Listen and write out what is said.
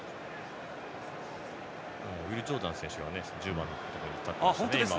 ウィル・ジョーダン選手が１０番のところに立っていましたね。